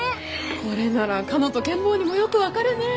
これならかのとケン坊にもよく分かるね！